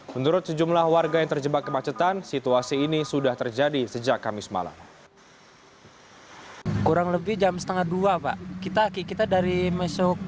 menurut sejumlah warga yang terjebak kemacetan situasi ini sudah terjadi sejak kamis malam